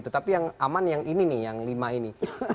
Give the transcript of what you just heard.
tetapi yang aman yang ini nih yang lima ini